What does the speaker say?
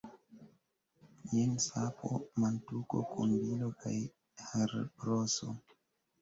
Jen sapo, mantuko, kombilo kaj harbroso.